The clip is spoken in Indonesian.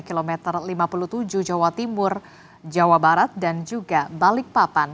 kilometer lima puluh tujuh jawa timur jawa barat dan juga balikpapan